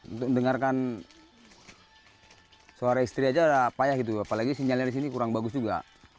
untuk mendengarkan suara istri aja payah gitu apalagi sinyalnya di sini kurang bagus juga